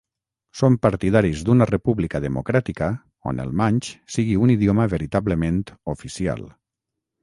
Són partidaris d'una república democràtica on el manx sigui un idioma veritablement oficial.